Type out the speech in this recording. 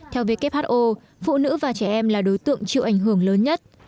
theo who phụ nữ và trẻ em là đối tượng chịu ảnh hưởng lớn nhất